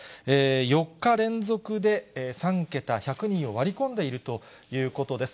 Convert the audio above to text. ４日連続で３桁、１００人を割り込んでいるということです。